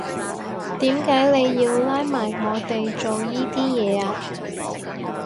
點解你要拉埋我哋做依啲嘢呀？